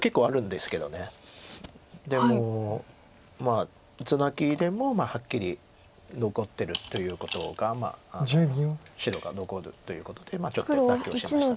でもツナギでもはっきり残ってるということが白が残るということでちょっと妥協しました。